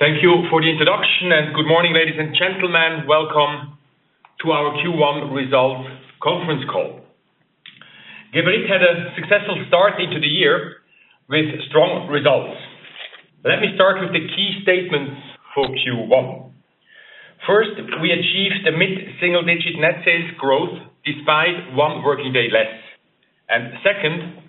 Thank you for the introduction, and good morning, ladies and gentlemen. Welcome to our Q1 results conference call. Geberit had a successful start into the year with strong results. Let me start with the key statements for Q1. First, we achieved a mid-single-digit net sales growth despite one working day less. Second,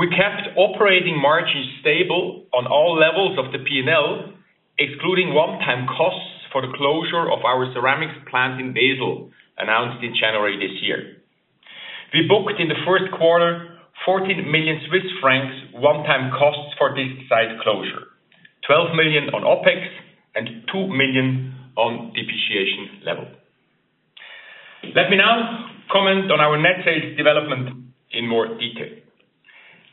we kept operating margins stable on all levels of the P&L, excluding one-time costs for the closure of our ceramics plant in Basel, announced in January this year. We booked in the first quarter 14 million Swiss francs one-time costs for this site closure, 12 million on OpEx, and 2 million on depreciation level. Let me now comment on our net sales development in more detail.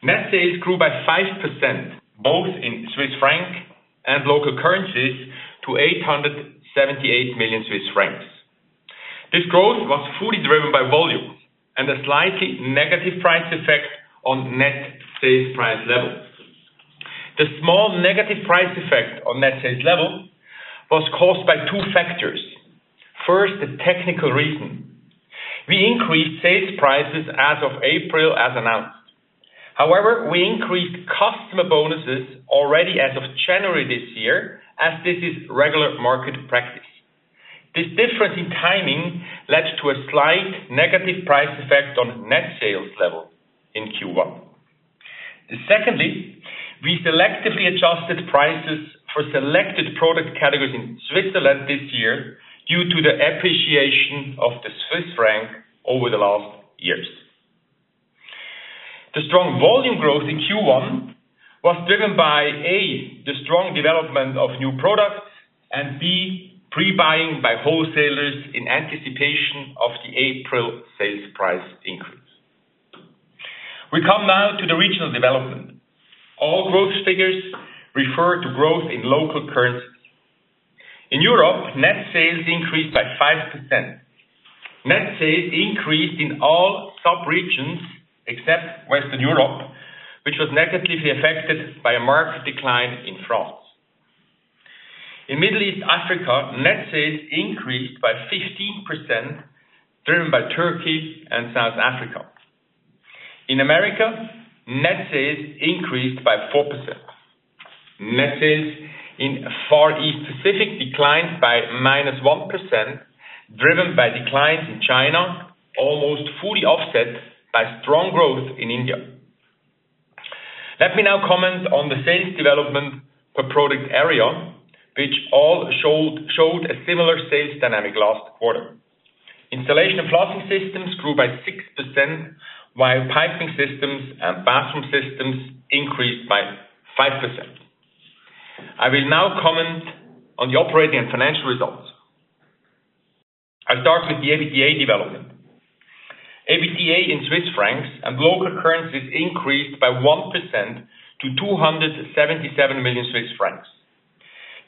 Net sales grew by 5%, both in Swiss franc and local currencies, to 878 million Swiss francs. This growth was fully driven by volume and a slightly negative price effect on net sales price level. The small negative price effect on net sales level was caused by two factors. First, the technical reason. We increased sales prices as of April, as announced. However, we increased customer bonuses already as of January this year, as this is regular market practice. This difference in timing led to a slight negative price effect on net sales level in Q1. Secondly, we selectively adjusted prices for selected product categories in Switzerland this year due to the appreciation of the Swiss franc over the last years. The strong volume growth in Q1 was driven by, A, the strong development of new products, and B, pre-buying by wholesalers in anticipation of the April sales price increase. We come now to the regional development. All growth figures refer to growth in local currencies. In Europe, net sales increased by 5%. Net sales increased in all sub-regions except Western Europe, which was negatively affected by a market decline in France. In Middle East Africa, net sales increased by 15%, driven by Turkey and South Africa. In America, net sales increased by 4%. Net sales in Far East Pacific declined by -1%, driven by declines in China, almost fully offset by strong growth in India. Let me now comment on the sales development per product area, which all showed a similar sales dynamic last quarter. Installation and flushing systems grew by 6%, while piping systems and bathroom systems increased by 5%. I will now comment on the operating and financial results. I'll start with the EBITDA development. EBITDA in Swiss francs and local currencies increased by 1% to 277 million Swiss francs.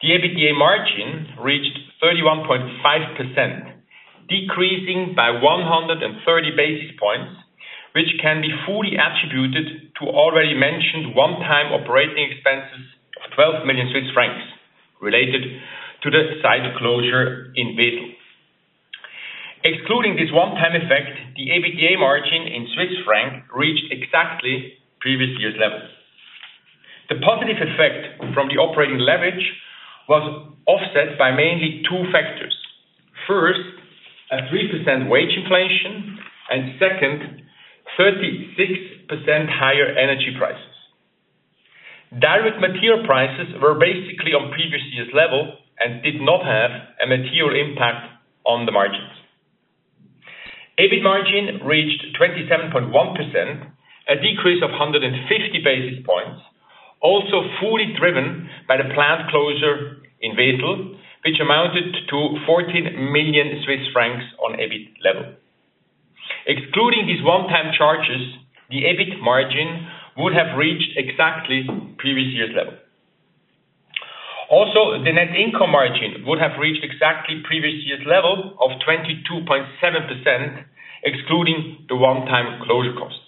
The EBITDA margin reached 31.5%, decreasing by 130 basis points, which can be fully attributed to already mentioned one-time operating expenses of 12 million Swiss francs related to the site closure in Basel. Excluding this one-time effect, the EBITDA margin in Swiss franc reached exactly previous year's level. The positive effect from the operating leverage was offset by mainly two factors. First, a 3% wage inflation, and second, 36% higher energy prices. Direct material prices were basically on previous year's level and did not have a material impact on the margins. EBIT margin reached 27.1%, a decrease of 150 basis points, also fully driven by the plant closure in Basel, which amounted to 14 million Swiss francs on EBIT level. Excluding these one-time charges, the EBIT margin would have reached exactly previous year's level. Also, the net income margin would have reached exactly previous year's level of 22.7%, excluding the one-time closure costs.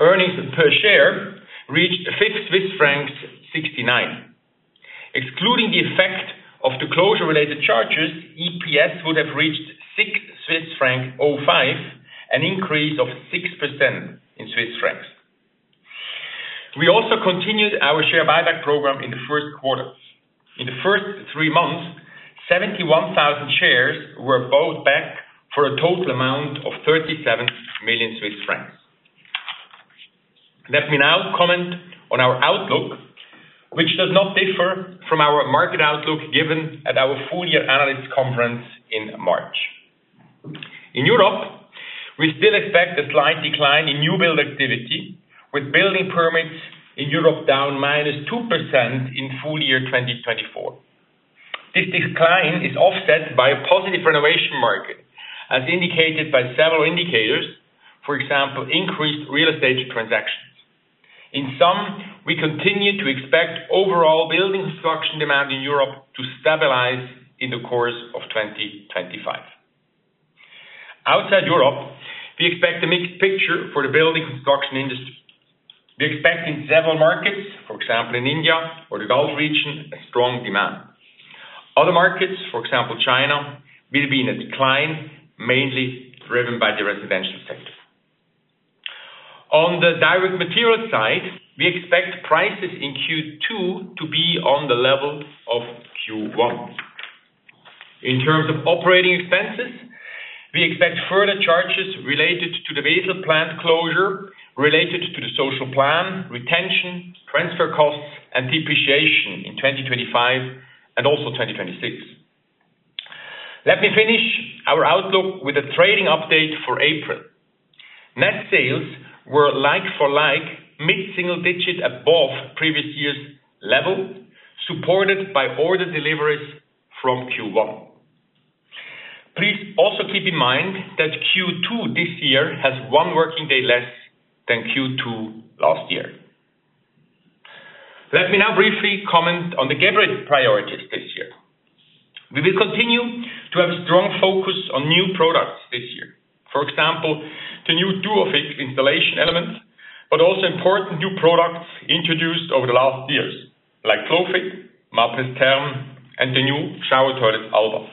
Earnings per share reached Swiss francs 5.69. Excluding the effect of the closure-related charges, EPS would have reached 6.05 Swiss franc, an increase of 6% in Swiss francs. We also continued our share buyback program in the first quarter. In the first three months, 71,000 shares were bought back for a total amount of 37 million Swiss francs. Let me now comment on our outlook, which does not differ from our market outlook given at our full-year analyst conference in March. In Europe, we still expect a slight decline in new build activity, with building permits in Europe down -2% in full year 2024. This decline is offset by a positive renovation market, as indicated by several indicators, for example, increased real estate transactions. In sum, we continue to expect overall building construction demand in Europe to stabilize in the course of 2025. Outside Europe, we expect a mixed picture for the building construction industry. We expect in several markets, for example, in India or the Gulf region, a strong demand. Other markets, for example, China, will be in a decline, mainly driven by the residential sector. On the direct materials side, we expect prices in Q2 to be on the level of Q1. In terms of operating expenses, we expect further charges related to the Basel plant closure, related to the social plan, retention, transfer costs, and depreciation in 2025 and also 2026. Let me finish our outlook with a trading update for April. Net sales were like for like, mid-single digit above previous year's level, supported by order deliveries from Q1. Please also keep in mind that Q2 this year has one working day less than Q2 last year. Let me now briefly comment on the Geberit priorities this year. We will continue to have a strong focus on new products this year, for example, the new Duofix installation element, but also important new products introduced over the last years, like FlowFit, Mapress Therm, and the new shower toilet Alba.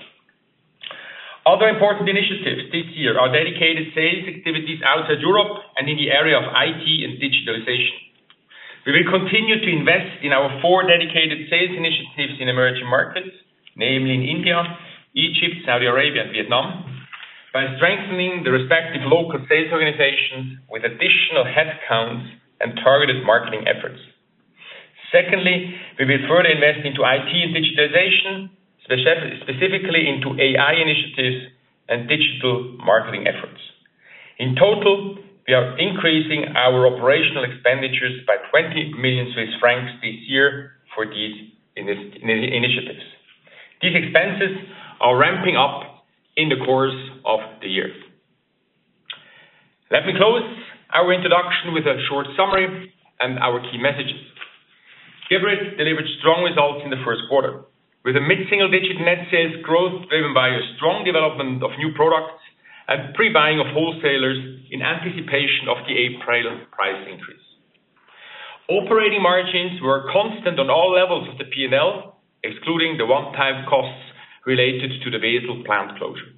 Other important initiatives this year are dedicated sales activities outside Europe and in the area of IT and digitalization. We will continue to invest in our four dedicated sales initiatives in emerging markets, namely in India, Egypt, Saudi Arabia, and Vietnam, by strengthening the respective local sales organizations with additional headcounts and targeted marketing efforts. Secondly, we will further invest into IT and digitalization, specifically into AI initiatives and digital marketing efforts. In total, we are increasing our operational expenditures by 20 million Swiss francs this year for these initiatives. These expenses are ramping up in the course of the year. Let me close our introduction with a short summary and our key messages. Geberit delivered strong results in the first quarter, with a mid-single digit net sales growth driven by a strong development of new products and pre-buying of wholesalers in anticipation of the April price increase. Operating margins were constant on all levels of the P&L, excluding the one-time costs related to the Basel plant closure.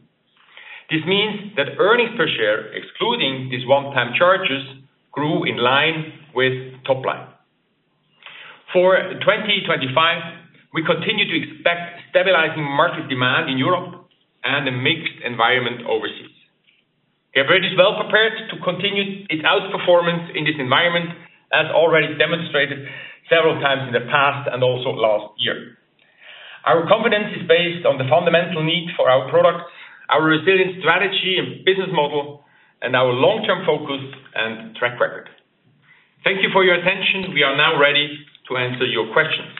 This means that earnings per share, excluding these one-time charges, grew in line with top line. For 2025, we continue to expect stabilizing market demand in Europe and a mixed environment overseas. Geberit is well prepared to continue its outperformance in this environment, as already demonstrated several times in the past and also last year. Our confidence is based on the fundamental need for our products, our resilient strategy and business model, and our long-term focus and track record. Thank you for your attention. We are now ready to answer your questions.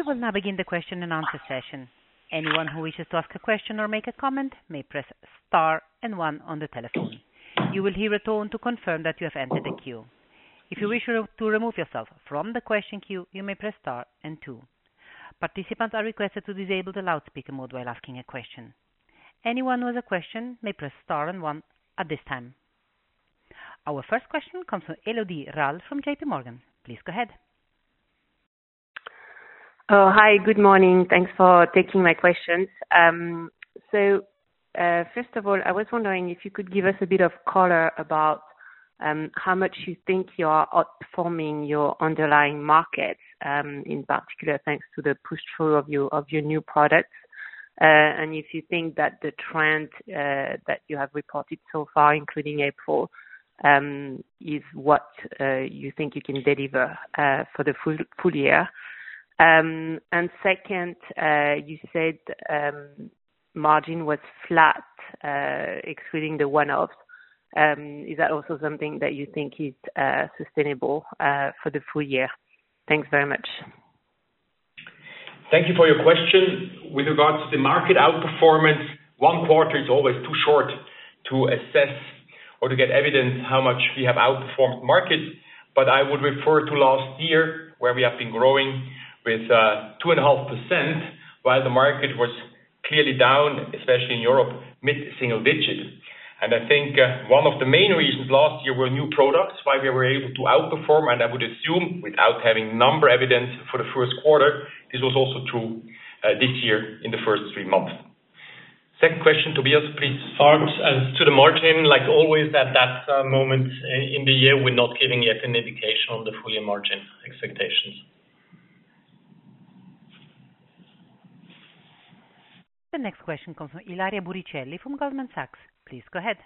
We will now begin the question and answer session. Anyone who wishes to ask a question or make a comment may press star and one on the telephone. You will hear a tone to confirm that you have entered the queue. If you wish to remove yourself from the question queue, you may press star and two. Participants are requested to disable the loudspeaker mode while asking a question. Anyone who has a question may press star and one at this time. Our first question comes from Elodie Rall from JPMorgan. Please go ahead. Hi, good morning. Thanks for taking my questions. First of all, I was wondering if you could give us a bit of color about how much you think you are outperforming your underlying markets, in particular thanks to the push through of your new products, and if you think that the trend that you have reported so far, including April, is what you think you can deliver for the full year. Second, you said margin was flat, excluding the one-offs. Is that also something that you think is sustainable for the full year? Thanks very much. Thank you for your question. With regards to the market outperformance, one quarter is always too short to assess or to get evidence how much we have outperformed markets, but I would refer to last year, where we have been growing with 2.5%, while the market was clearly down, especially in Europe, mid-single digit. I think one of the main reasons last year were new products, why we were able to outperform, and I would assume without having number evidence for the first quarter, this was also true this year in the first three months. Second question, Tobias, please. Start as to the margin. Like always, at that moment in the year, we're not giving yet an indication on the full year margin expectations. The next question comes from Ilaria Buricelli from Goldman Sachs. Please go ahead.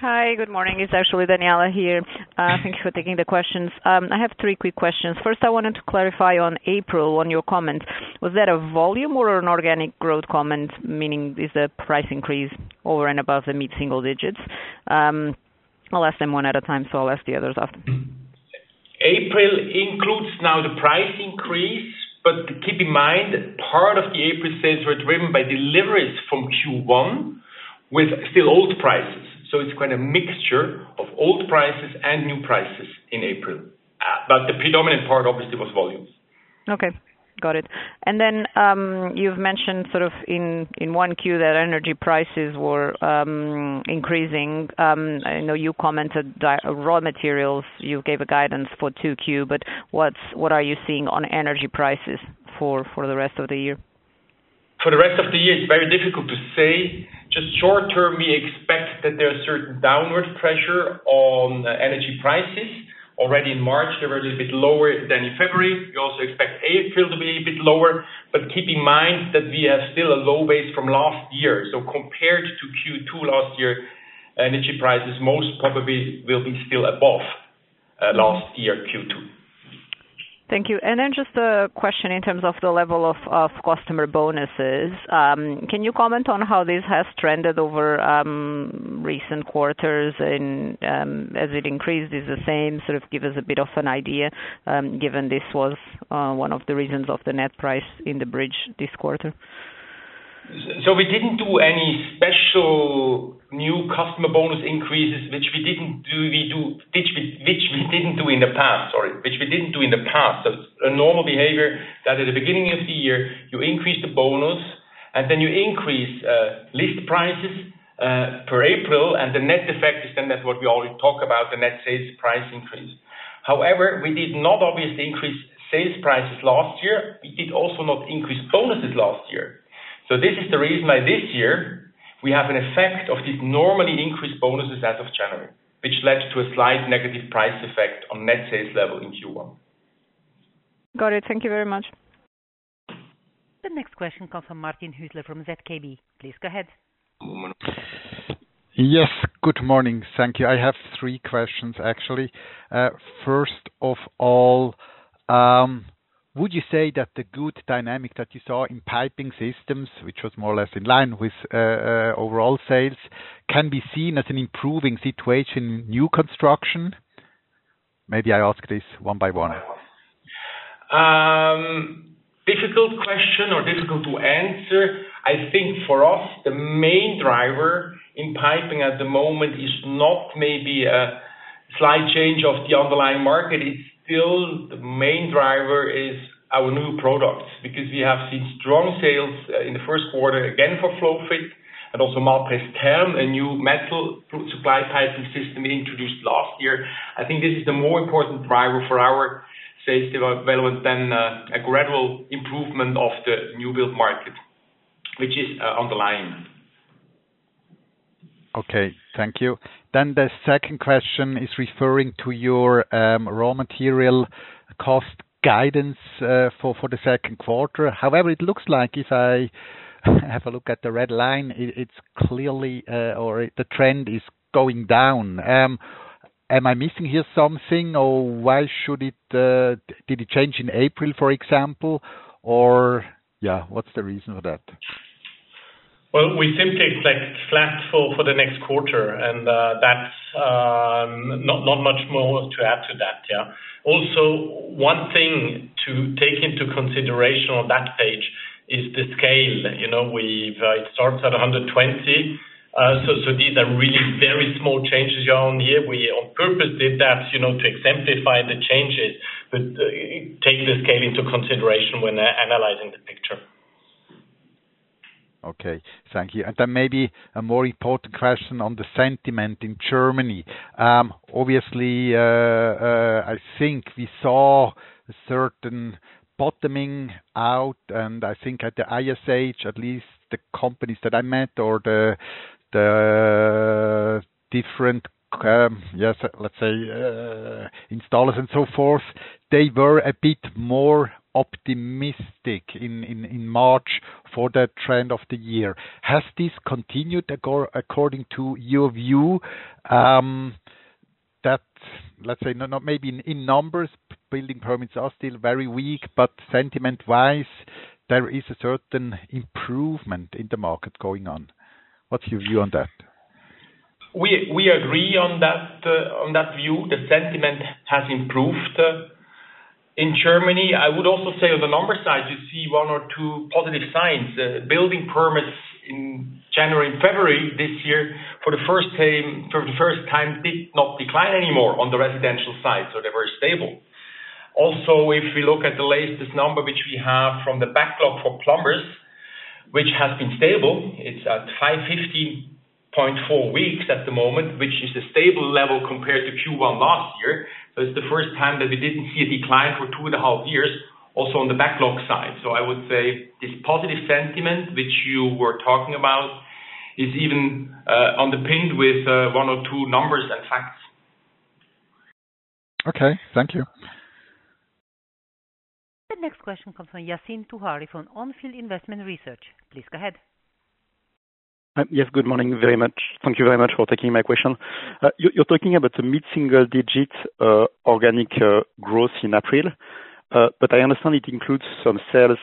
Hi, good morning. It's actually Daniela here. Thank you for taking the questions. I have three quick questions. First, I wanted to clarify on April, on your comment, was that a volume or an organic growth comment, meaning is the price increase over and above the mid-single digits? I'll ask them one at a time, so I'll ask the others after. April includes now the price increase, but keep in mind part of the April sales were driven by deliveries from Q1 with still old prices. It is quite a mixture of old prices and new prices in April. The predominant part obviously was volume. Okay, got it. You mentioned sort of in one Q that energy prices were increasing. I know you commented raw materials. You gave a guidance for two Q, but what are you seeing on energy prices for the rest of the year? For the rest of the year, it's very difficult to say. Just short term, we expect that there are certain downward pressure on energy prices. Already in March, they were a little bit lower than in February. We also expect April to be a bit lower, but keep in mind that we have still a low base from last year. Compared to Q2 last year, energy prices most probably will be still above last year Q2. Thank you. Just a question in terms of the level of customer bonuses. Can you comment on how this has trended over recent quarters? As it increased, is it the same? Sort of give us a bit of an idea, given this was one of the reasons of the net price in the bridge this quarter? We didn't do any special new customer bonus increases, which we didn't do in the past, sorry, which we didn't do in the past. It is a normal behavior that at the beginning of the year, you increase the bonus, and then you increase list prices per April, and the net effect is then that what we already talked about, the net sales price increase. However, we did not obviously increase sales prices last year. We did also not increase bonuses last year. This is the reason why this year we have an effect of these normally increased bonuses as of January, which led to a slight negative price effect on net sales level in Q1. Got it. Thank you very much. The next question comes from Martin Hüsler from ZKB. Please go ahead. Yes, good morning. Thank you. I have three questions, actually. First of all, would you say that the good dynamic that you saw in piping systems, which was more or less in line with overall sales, can be seen as an improving situation in new construction? Maybe I ask this one by one. Difficult question or difficult to answer. I think for us, the main driver in piping at the moment is not maybe a slight change of the underlying market. It's still the main driver is our new products because we have seen strong sales in the first quarter, again for FlowFit and also Mapress Therm, a new metal supply piping system introduced last year. I think this is the more important driver for our sales development than a gradual improvement of the new build market, which is underlying. Okay, thank you. The second question is referring to your raw material cost guidance for the second quarter. However, it looks like if I have a look at the red line, it's clearly, or the trend is going down. Am I missing here something or why should it, did it change in April, for example, or yeah, what's the reason for that? We simply expect flat for the next quarter, and that's not much more to add to that. Also, one thing to take into consideration on that page is the scale. It starts at 120. So these are really very small changes you're on here. We on purpose did that to exemplify the changes, but take the scale into consideration when analyzing the picture. Okay, thank you. Maybe a more important question on the sentiment in Germany. Obviously, I think we saw a certain bottoming out, and I think at the ISH, at least the companies that I met or the different, yes, let's say installers and so forth, they were a bit more optimistic in March for the trend of the year. Has this continued according to your view that, let's say, not maybe in numbers, building permits are still very weak, but sentiment-wise, there is a certain improvement in the market going on? What's your view on that? We agree on that view. The sentiment has improved. In Germany, I would also say on the number side, you see one or two positive signs. Building permits in January and February this year, for the first time, for the first time, did not decline anymore on the residential side, so they were stable. Also, if we look at the latest number, which we have from the backlog for plumbers, which has been stable, it's at 515.4 weeks at the moment, which is a stable level compared to Q1 last year. It is the first time that we did not see a decline for two and a half years, also on the backlog side. I would say this positive sentiment, which you were talking about, is even underpinned with one or two numbers and facts. Okay, thank you. The next question comes from Yassine Touahri from On Field Investment Research. Please go ahead. Yes, good morning. Thank you very much for taking my question. You're talking about the mid-single digit organic growth in April, but I understand it includes some sales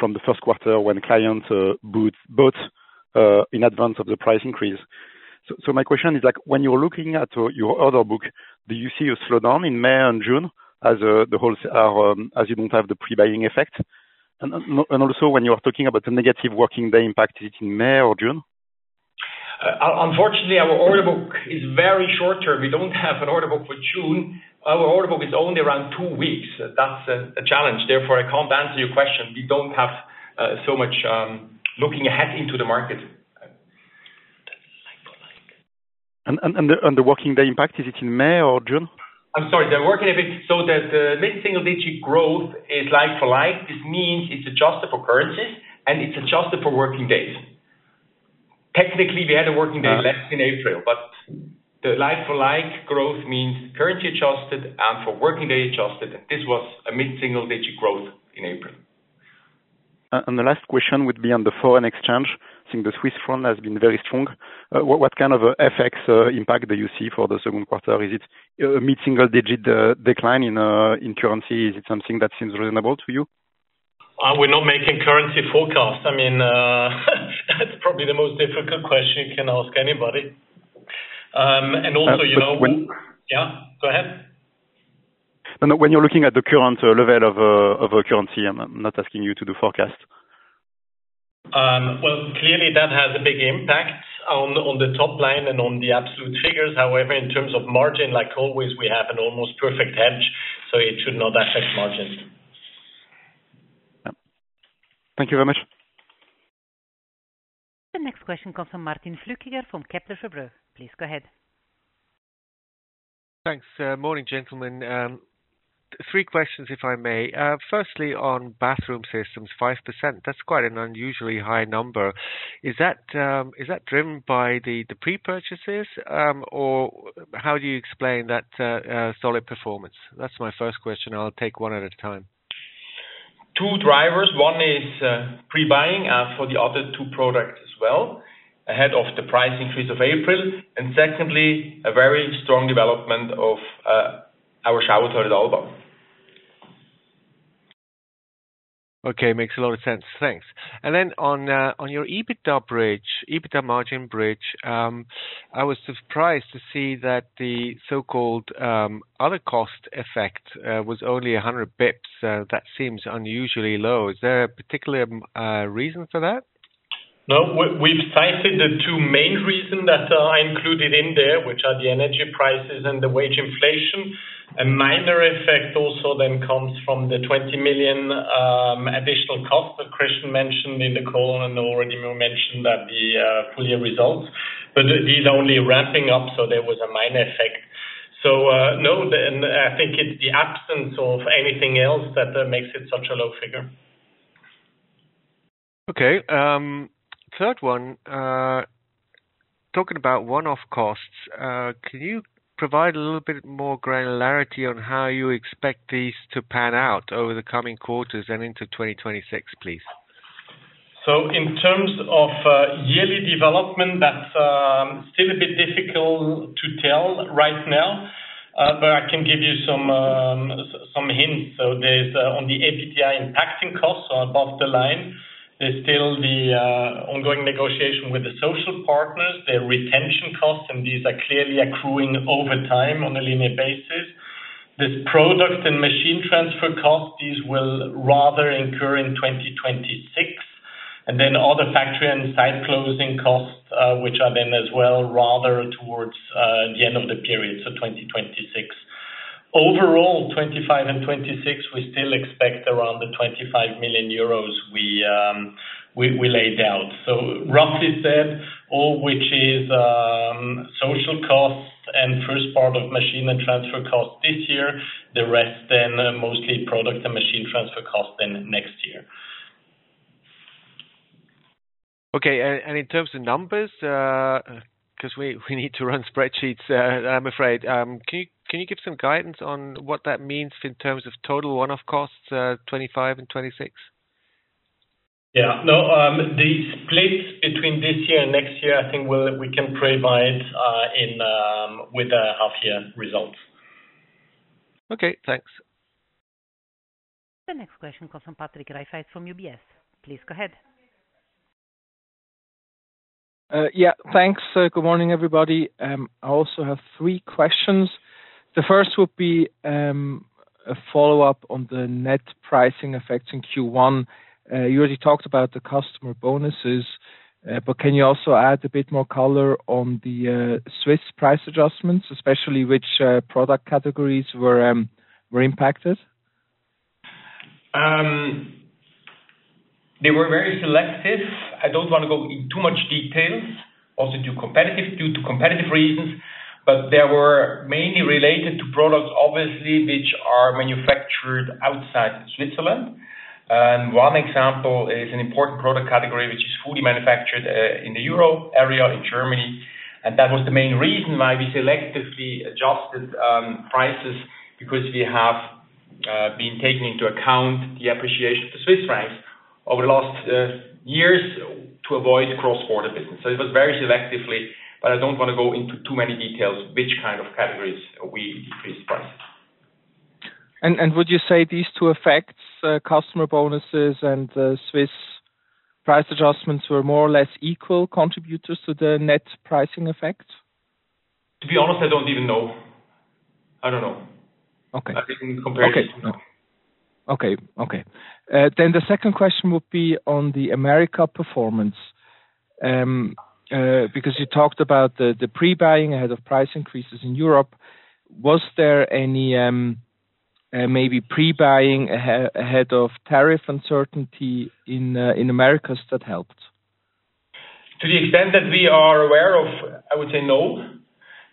from the first quarter when clients bought in advance of the price increase. My question is, when you're looking at your order book, do you see a slowdown in May and June as you don't have the pre-buying effect? Also, when you are talking about the negative working day impact, is it in May or June? Unfortunately, our order book is very short term. We don't have an order book for June. Our order book is only around two weeks. That's a challenge. Therefore, I can't answer your question. We don't have so much looking ahead into the market. Is the working day impact in May or June? I'm sorry, the working day impact, so that mid-single digit growth is like for like. This means it's adjusted for currencies, and it's adjusted for working days. Technically, we had a working day less in April, but the like for like growth means currency adjusted and for working day adjusted, and this was a mid-single digit growth in April. The last question would be on the foreign exchange. I think the Swiss franc has been very strong. What kind of effects impact do you see for the second quarter? Is it a mid-single digit decline in currency? Is it something that seems reasonable to you? We're not making currency forecasts. I mean, that's probably the most difficult question you can ask anybody. Also, yeah, go ahead. No, no, when you're looking at the current level of currency, I'm not asking you to do forecasts. Clearly, that has a big impact on the top line and on the absolute figures. However, in terms of margin, like always, we have an almost perfect hedge, so it should not affect margins. Thank you very much. The next question comes from Martin Flückiger from Kepler Cheuvreux. Please go ahead. Thanks. Morning, gentlemen. Three questions, if I may. Firstly, on bathroom systems, 5%, that's quite an unusually high number. Is that driven by the pre-purchases, or how do you explain that solid performance? That's my first question. I'll take one at a time. Two drivers. One is pre-buying for the other two products as well, ahead of the price increase of April. Secondly, a very strong development of our shower toilet Alba. Okay, makes a lot of sense. Thanks. On your EBITDA bridge, EBITDA margin bridge, I was surprised to see that the so-called other cost effect was only 100 basis points. That seems unusually low. Is there a particular reason for that? No, we've cited the two main reasons that I included in there, which are the energy prices and the wage inflation. A minor effect also then comes from the 20 million additional cost that Christian mentioned in the column and already mentioned at the full year results. These are only wrapping up, so there was a minor effect. No, I think it's the absence of anything else that makes it such a low figure. Okay. Third one, talking about one-off costs, can you provide a little bit more granularity on how you expect these to pan out over the coming quarters and into 2026, please? In terms of yearly development, that's still a bit difficult to tell right now, but I can give you some hints. There's on the EBITDA impacting costs above the line, there's still the ongoing negotiation with the social partners, their retention costs, and these are clearly accruing over time on a linear basis. There's product and machine transfer costs. These will rather incur in 2026. Other factory and site closing costs are then as well rather towards the end of the period, so 2026. Overall, 2025 and 2026, we still expect around 25 million euros we laid out. Roughly said, all which is social costs and first part of machine and transfer costs this year, the rest then mostly product and machine transfer costs then next year. Okay. In terms of numbers, because we need to run spreadsheets, I'm afraid, can you give some guidance on what that means in terms of total one-off costs, 2025 and 2026? Yeah. No, the splits between this year and next year, I think we can provide with half-year results. Okay, thanks. The next question comes from Patrick Rafaisz from UBS. Please go ahead. Yeah, thanks. Good morning, everybody. I also have three questions. The first would be a follow-up on the net pricing effects in Q1. You already talked about the customer bonuses, but can you also add a bit more color on the Swiss price adjustments, especially which product categories were impacted? They were very selective. I don't want to go into too much detail, also due to competitive reasons, but they were mainly related to products, obviously, which are manufactured outside Switzerland. One example is an important product category, which is fully manufactured in the Euro area in Germany. That was the main reason why we selectively adjusted prices, because we have been taking into account the appreciation of the Swiss franc over the last years to avoid cross-border business. It was very selectively, but I don't want to go into too many details which kind of categories we decreased prices. Would you say these two effects, customer bonuses and Swiss price adjustments, were more or less equal contributors to the net pricing effect? To be honest, I don't even know. I don't know. I didn't compare it to. Okay. Okay. Okay. The second question would be on the America performance. Because you talked about the pre-buying ahead of price increases in Europe, was there any maybe pre-buying ahead of tariff uncertainty in Americas that helped? To the extent that we are aware of, I would say no,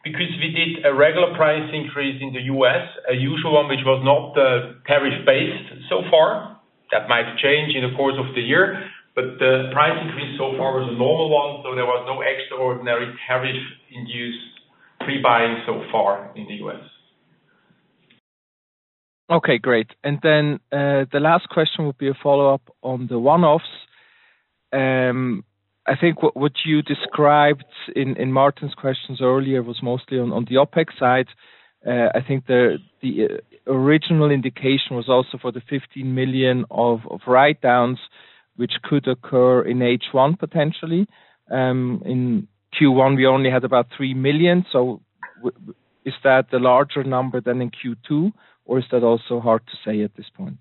because we did a regular price increase in the U.S., a usual one, which was not tariff-based so far. That might change in the course of the year, but the price increase so far was a normal one, so there was no extraordinary tariff-induced pre-buying so far in the U.S. Okay, great. The last question would be a follow-up on the one-offs. I think what you described in Martin's questions earlier was mostly on the OpEx side. I think the original indication was also for the 15 million of write-downs, which could occur in H1 potentially. In Q1, we only had about 3 million. Is that a larger number then in Q2, or is that also hard to say at this point?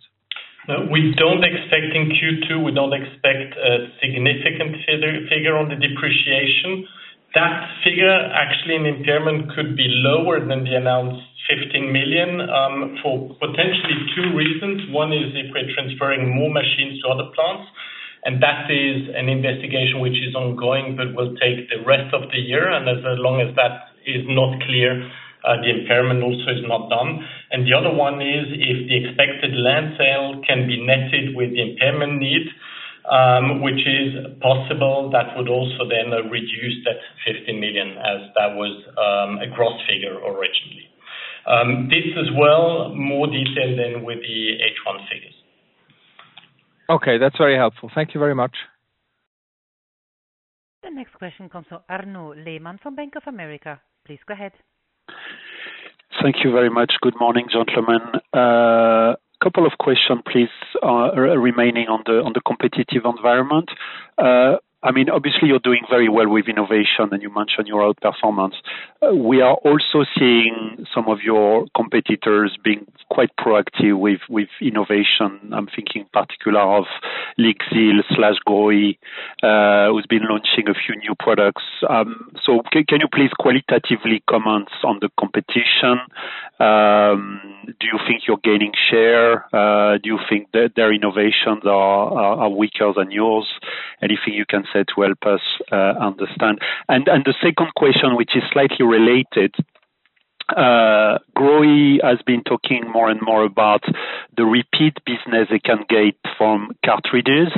We don't expect in Q2, we don't expect a significant figure on the depreciation. That figure, actually, in impairment, could be lower than the announced 15 million for potentially two reasons. One is if we're transferring more machines to other plants, and that is an investigation which is ongoing, but will take the rest of the year. As long as that is not clear, the impairment also is not done. The other one is if the expected land sale can be netted with the impairment need, which is possible, that would also then reduce that 15 million as that was a gross figure originally. This as well, more detailed than with the H1 figures. Okay, that's very helpful. Thank you very much. The next question comes from Arnaud Lehmann from Bank of America. Please go ahead. Thank you very much. Good morning, gentlemen. A couple of questions, please, remaining on the competitive environment. I mean, obviously, you're doing very well with innovation, and you mentioned your outperformance. We are also seeing some of your competitors being quite proactive with innovation. I'm thinking in particular of LIXIL/GROHE, who's been launching a few new products. Can you please qualitatively comment on the competition? Do you think you're gaining share? Do you think their innovations are weaker than yours? Anything you can say to help us understand? The second question, which is slightly related, GROHE has been talking more and more about the repeat business it can get from cartridges.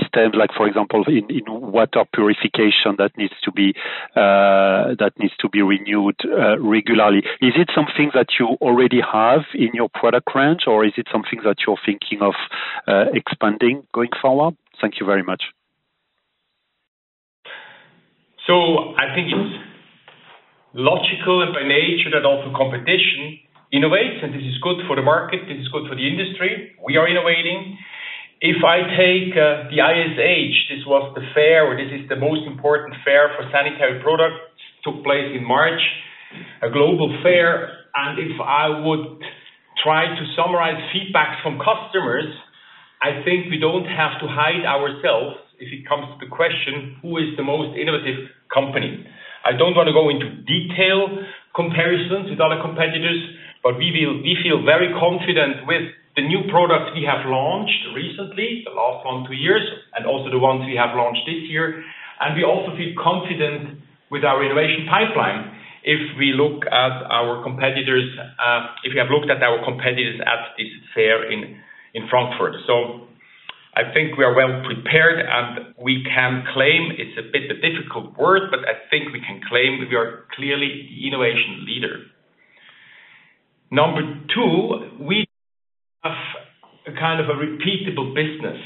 Systems like, for example, in water purification that need to be renewed regularly. Is it something that you already have in your product range, or is it something that you're thinking of expanding going forward? Thank you very much. I think it's logical by nature that also competition innovates, and this is good for the market. This is good for the industry. We are innovating. If I take the ISH, this was the fair, or this is the most important fair for sanitary products, took place in March, a global fair. If I would try to summarize feedback from customers, I think we don't have to hide ourselves if it comes to the question, who is the most innovative company? I don't want to go into detail comparisons with other competitors, but we feel very confident with the new products we have launched recently, the last one, two years, and also the ones we have launched this year. We also feel confident with our innovation pipeline if we look at our competitors, if you have looked at our competitors at this fair in Frankfurt. I think we are well prepared, and we can claim it's a bit of a difficult word, but I think we can claim we are clearly the innovation leader. Number two, we have a kind of a repeatable business.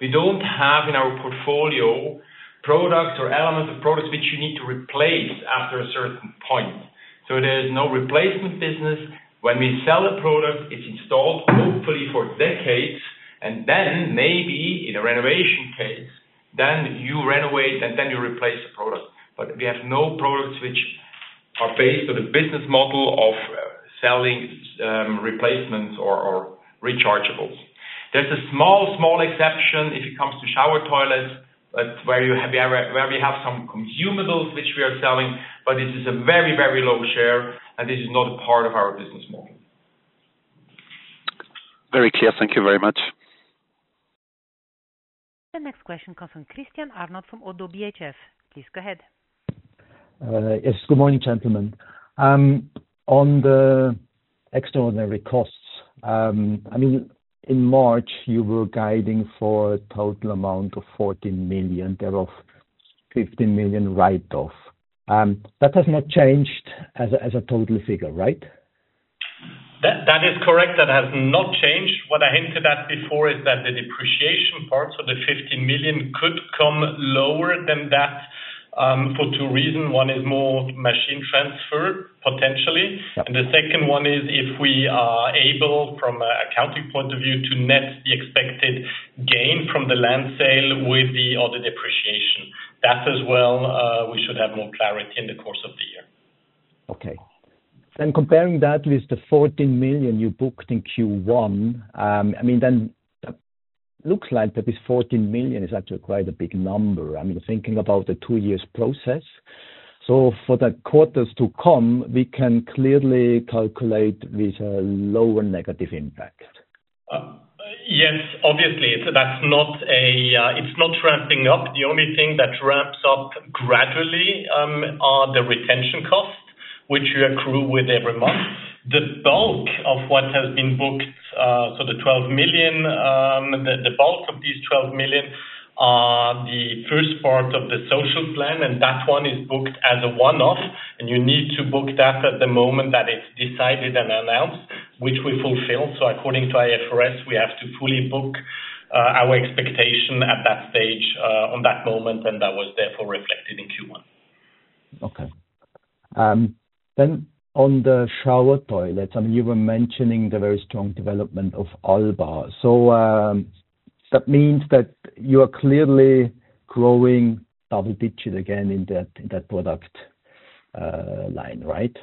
We don't have in our portfolio products or elements of products which you need to replace after a certain point. There's no replacement business. When we sell a product, it's installed, hopefully, for decades, and then maybe in a renovation case, then you renovate, and then you replace the product. We have no products which are based on a business model of selling replacements or rechargeables. There's a small, small exception if it comes to shower toilets, where we have some consumables which we are selling, but this is a very, very low share, and this is not a part of our business model. Very clear. Thank you very much. The next question comes from Christian Arnold from ODDO BHF. Please go ahead. Yes. Good morning, gentlemen. On the extraordinary costs, I mean, in March, you were guiding for a total amount of 14 million, thereof 15 million write-off. That has not changed as a total figure, right? That is correct. That has not changed. What I hinted at before is that the depreciation part, so the 15 million, could come lower than that for two reasons. One is more machine transfer potentially. The second one is if we are able, from an accounting point of view, to net the expected gain from the land sale with the other depreciation. That as well, we should have more clarity in the course of the year. Okay. Comparing that with the 14 million you booked in Q1, I mean, it looks like this 14 million is actually quite a big number, I mean, thinking about the two-year process. For the quarters to come, we can clearly calculate with a lower negative impact. Yes, obviously. That's not ramping up. The only thing that ramps up gradually are the retention costs, which we accrue with every month. The bulk of what has been booked, so the 12 million, the bulk of these 12 million are the first part of the social plan, and that one is booked as a one-off, and you need to book that at the moment that it's decided and announced, which we fulfill. According to IFRS, we have to fully book our expectation at that stage on that moment, and that was therefore reflected in Q1. Okay. On the shower toilets, I mean, you were mentioning the very strong development of Alba. So that means that you are clearly growing double-digit again in that product line, right?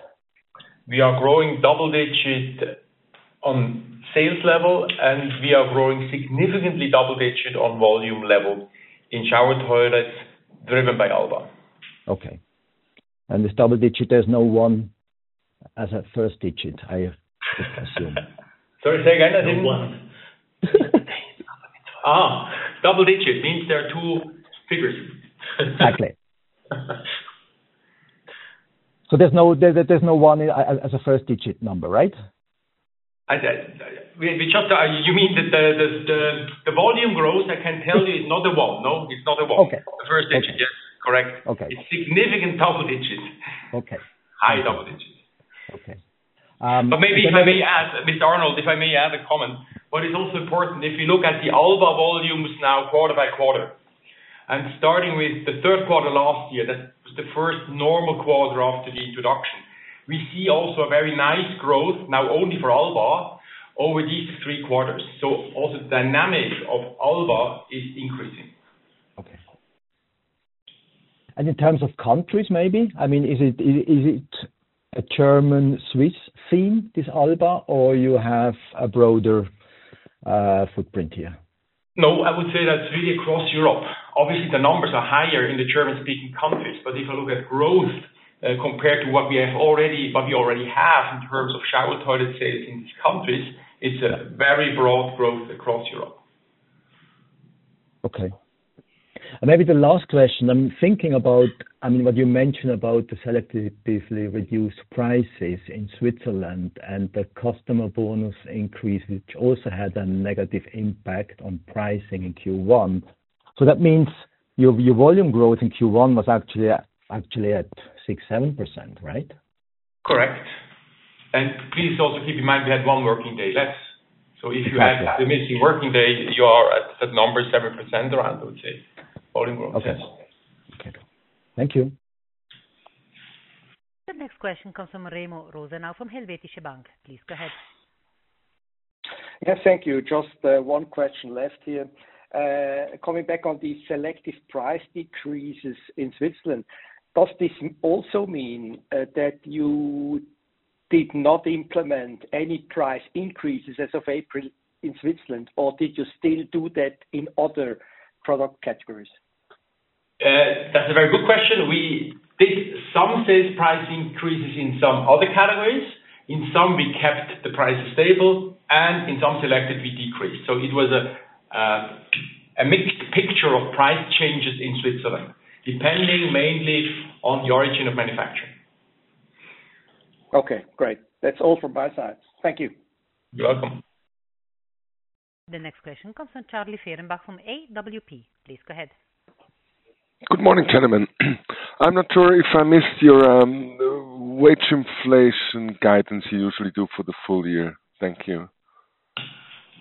We are growing double-digit on sales level, and we are growing significantly double-digit on volume level in shower toilets driven by Alba. Okay. This double-digit, there's no one as a first digit, I assume. Sorry, say again. I didn't understand. Oh, double-digit means there are two figures. Exactly. So there's no one as a first-digit number, right? You mean that the volume growth, I can tell you it's not a one. No, it's not a one. Okay. The first digit, yes. Correct. Okay. It's significant double-digits. Okay. High double-digits. Okay. If I may add, Mr. Arnold, if I may add a comment, what is also important, if you look at the Alba volumes now quarter by quarter, and starting with the third quarter last year, that was the first normal quarter after the introduction, we see also a very nice growth now only for Alba over these three quarters. Also, the dynamic of Alba is increasing. Okay. In terms of countries, maybe? I mean, is it a German-Swiss theme, this Alba, or you have a broader footprint here? No, I would say that's really across Europe. Obviously, the numbers are higher in the German-speaking countries, but if you look at growth compared to what we already have in terms of shower toilet sales in these countries, it's a very broad growth across Europe. Okay. Maybe the last question. I'm thinking about, I mean, what you mentioned about the selectively reduced prices in Switzerland and the customer bonus increase, which also had a negative impact on pricing in Q1. That means your volume growth in Q1 was actually at 6-7%, right? Correct. Please also keep in mind we had one working day less. If you add the missing working day, you are at number 7% around, I would say, volume growth. Okay. Okay. Thank you. The next question comes from Remo Rosenau from Helvetische Bank. Please go ahead. Yes, thank you. Just one question left here. Coming back on these selective price decreases in Switzerland, does this also mean that you did not implement any price increases as of April in Switzerland, or did you still do that in other product categories? That's a very good question. We did some sales price increases in some other categories. In some, we kept the prices stable, and in some selective, we decreased. It was a mixed picture of price changes in Switzerland, depending mainly on the origin of manufacturing. Okay. Great. That's all from my side. Thank you. You're welcome. The next question comes from Charlie Ferenbach from AWP. Please go ahead. Good morning, gentlemen. I'm not sure if I missed your wage inflation guidance you usually do for the full year. Thank you.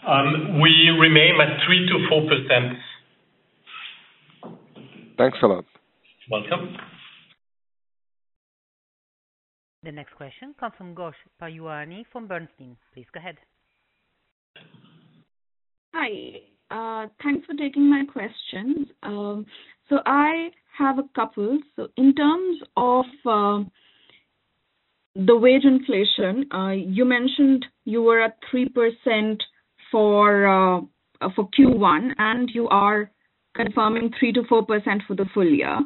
We remain at 3-4%. Thanks a lot. Welcome. The next question comes from Pujarini Ghosh from Bernstein. Please go ahead. Hi. Thanks for taking my questions. I have a couple. In terms of the wage inflation, you mentioned you were at 3% for Q1, and you are confirming 3-4% for the full year.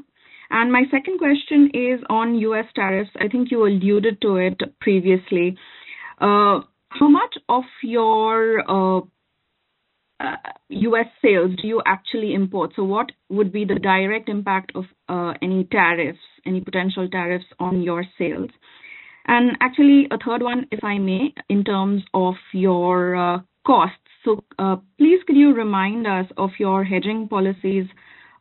My second question is on U.S. tariffs. I think you alluded to it previously. How much of your U.S. sales do you actually import? What would be the direct impact of any tariffs, any potential tariffs on your sales? Actually, a third one, if I may, in terms of your costs. Please, could you remind us of your hedging policies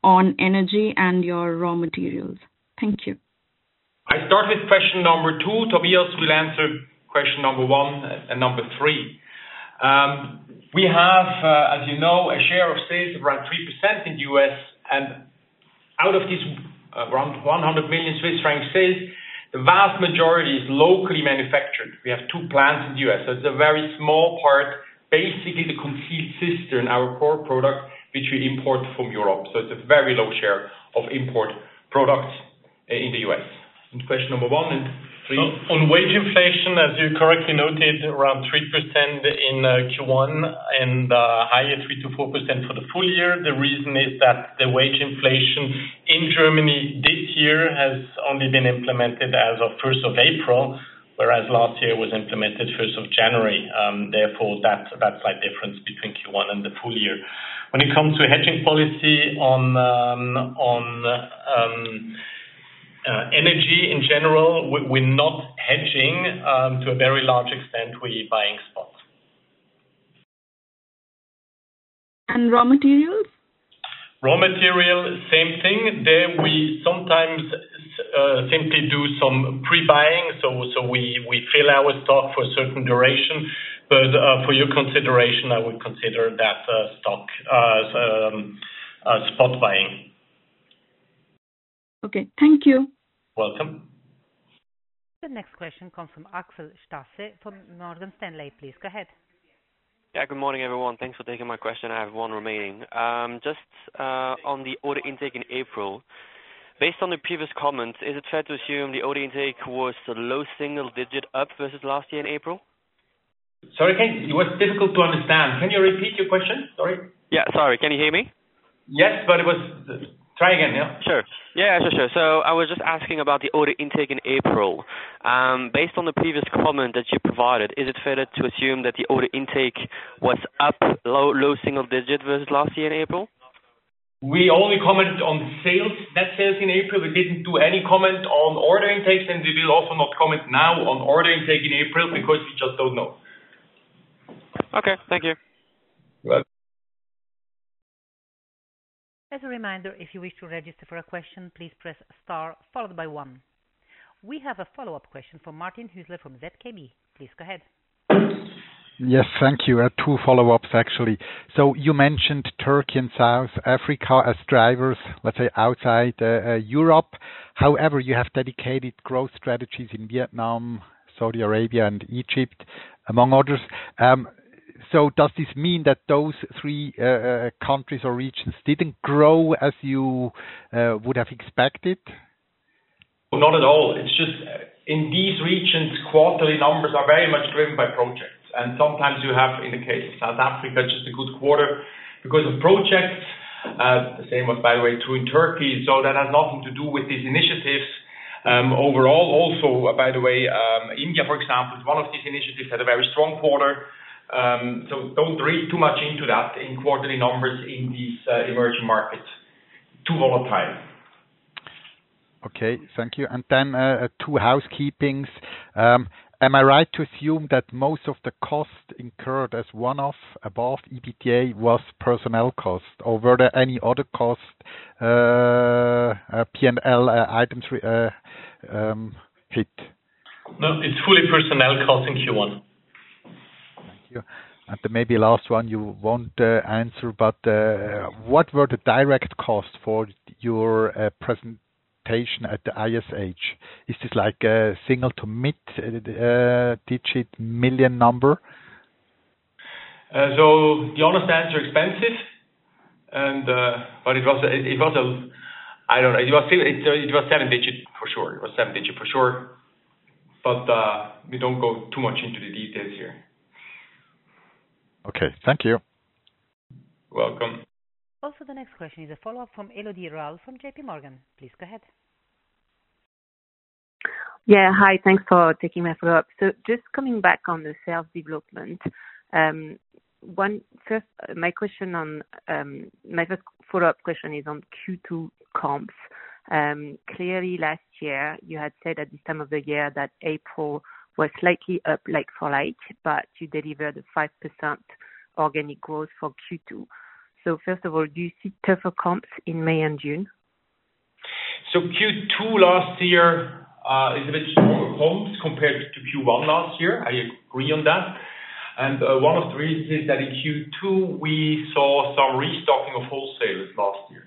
on energy and your raw materials? Thank you. I start with question number two. Tobias will answer question number one and number three. We have, as you know, a share of sales of around 3% in the U.S. And out of these around 100 million Swiss franc sales, the vast majority is locally manufactured. We have two plants in the U.S. It is a very small part, basically the concealed cistern, our core product, which we import from Europe. It is a very low share of import products in the U.S. And question number one and three. On wage inflation, as you correctly noted, around 3% in Q1 and higher 3-4% for the full year. The reason is that the wage inflation in Germany this year has only been implemented as of 1st of April, whereas last year it was implemented 1st of January. Therefore, that's that slight difference between Q1 and the full year. When it comes to hedging policy on energy in general, we're not hedging. To a very large extent, we're buying spots. Raw materials? Raw material, same thing. There we sometimes simply do some pre-buying. We fill our stock for a certain duration. For your consideration, I would consider that stock spot buying. Okay. Thank you. Welcome. The next question comes from Axel Stasse from Morgan Stanley. Please go ahead. Yeah. Good morning, everyone. Thanks for taking my question. I have one remaining. Just on the order intake in April, based on the previous comments, is it fair to assume the order intake was the low single digit up versus last year in April? Sorry, Kent. It was difficult to understand. Can you repeat your question? Sorry. Yeah. Sorry. Can you hear me? Yes, but it was try again. Yeah. Sure. Yeah. Sure, sure. I was just asking about the order intake in April. Based on the previous comment that you provided, is it fair to assume that the order intake was up, low single digit versus last year in April? We only commented on sales, that sales in April. We did not do any comment on order intakes, and we will also not comment now on order intake in April because we just do not know. Okay. Thank you. You're welcome. As a reminder, if you wish to register for a question, please press star followed by one. We have a follow-up question from Martin Hüsler from ZKB. Please go ahead. Yes. Thank you. Two follow-ups, actually. You mentioned Turkey and South Africa as drivers, let's say, outside Europe. However, you have dedicated growth strategies in Vietnam, Saudi Arabia, and Egypt, among others. Does this mean that those three countries or regions didn't grow as you would have expected? Not at all. It's just in these regions, quarterly numbers are very much driven by projects. Sometimes you have, in the case of South Africa, just a good quarter because of projects. The same was, by the way, true in Turkey. That has nothing to do with these initiatives. Overall, also, by the way, India, for example, is one of these initiatives that had a very strong quarter. Don't read too much into that in quarterly numbers in these emerging markets. Too volatile. Okay. Thank you. Two housekeepings. Am I right to assume that most of the cost incurred as one-off above EBITDA was personnel cost? Or were there any other cost, P&L items hit? No. It's fully personnel cost in Q1. Thank you. Maybe last one you won't answer, but what were the direct costs for your presentation at the ISH? Is this like a single to mid-digit million number? The honest answer, expensive. It was a—I do not know. It was seven digit for sure. It was seven digit for sure. We do not go too much into the details here. Okay. Thank you. Welcome. Also, the next question is a follow-up from Elodie Rall from JPMorgan. Please go ahead. Yeah. Hi. Thanks for taking my follow-up. Just coming back on the sales development, my question on my first follow-up question is on Q2 comps. Clearly, last year, you had said at this time of the year that April was slightly up, like for like, but you delivered a 5% organic growth for Q2. First of all, do you see tougher comps in May and June? Q2 last year is a bit stronger comps compared to Q1 last year. I agree on that. One of the reasons is that in Q2, we saw some restocking of wholesalers last year.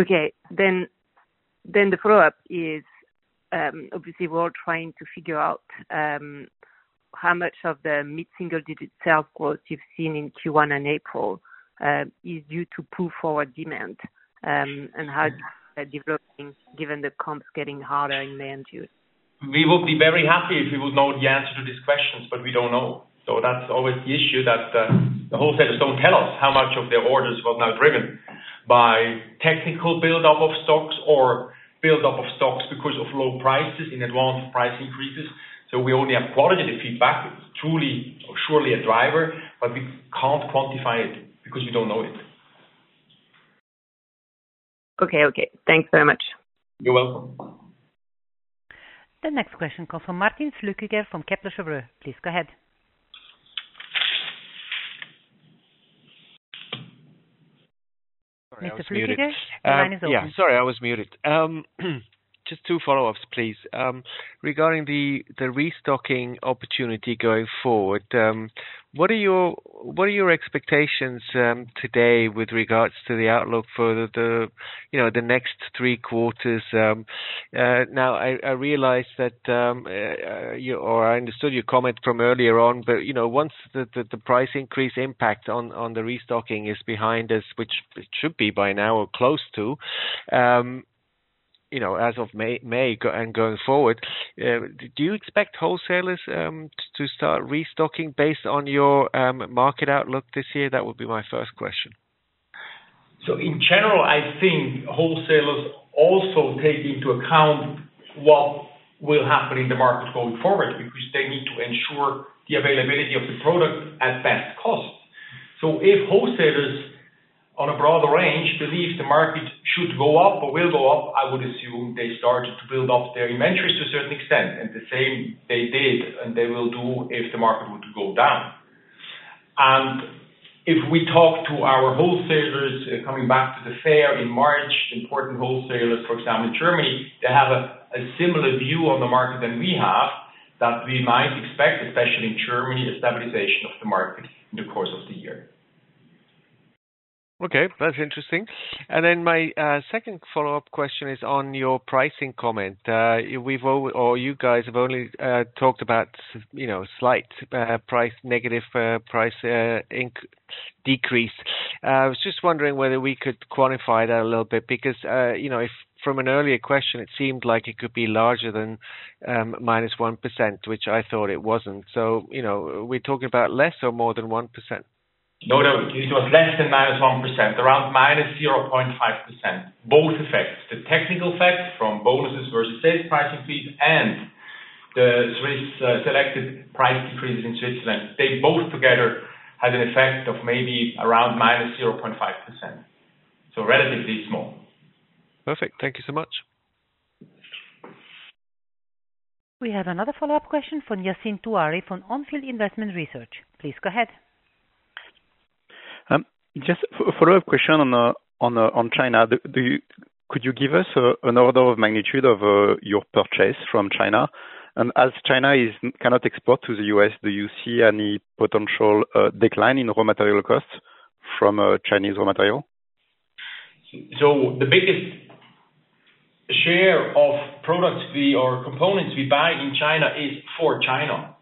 Okay. The follow-up is, obviously, we're trying to figure out how much of the mid-single-digit sales growth you've seen in Q1 and April is due to pull forward demand and how it's developing given the comps getting harder in May and June. We will be very happy if we would know the answer to these questions, but we don't know. That is always the issue that the wholesalers don't tell us how much of their orders was now driven by technical build-up of stocks or build-up of stocks because of low prices in advance of price increases. We only have qualitative feedback. It is truly or surely a driver, but we can't quantify it because we don't know it. Okay. Okay. Thanks very much. You're welcome. The next question comes from Martin Flueckiger from Kepler Cheuvreux. Please go ahead. Mr. Flückiger, the line is open. Yes. Sorry, I was muted. Just two follow-ups, please. Regarding the restocking opportunity going forward, what are your expectations today with regards to the outlook for the next three quarters? I realize that or I understood your comment from earlier on, but once the price increase impact on the restocking is behind us, which it should be by now or close to as of May and going forward, do you expect wholesalers to start restocking based on your market outlook this year? That would be my first question. In general, I think wholesalers also take into account what will happen in the market going forward because they need to ensure the availability of the product at best cost. If wholesalers, on a broader range, believe the market should go up or will go up, I would assume they started to build up their inventories to a certain extent. The same they did and they will do if the market would go down. If we talk to our wholesalers coming back to the fair in March, important wholesalers, for example, in Germany, have a similar view on the market than we have that we might expect, especially in Germany, a stabilization of the market in the course of the year. Okay. That's interesting. My second follow-up question is on your pricing comment. You guys have only talked about slight negative price decrease. I was just wondering whether we could quantify that a little bit because from an earlier question, it seemed like it could be larger than -1%, which I thought it was not. We are talking about less or more than 1%? No, no. It was less than -1%, around -0.5%. Both effects, the technical effect from bonuses versus sales price increase and the selected price decreases in Switzerland, they both together had an effect of maybe around -0.5%. Relatively small. Perfect. Thank you so much. We have another follow-up question from Yassine Touahri from On Field Investment Research. Please go ahead. Just a follow-up question on China. Could you give us an order of magnitude of your purchase from China? As China cannot export to the U.S., do you see any potential decline in raw material costs from Chinese raw material? The biggest share of products or components we buy in China is for China.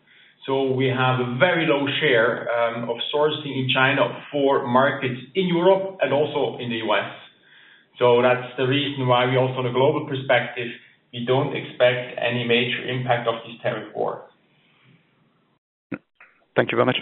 We have a very low share of sourcing in China for markets in Europe and also in the U.S. That's the reason why we also, on a global perspective, we don't expect any major impact of this tariff war. Thank you very much.